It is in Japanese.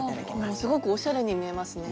すごくおしゃれに見えますね。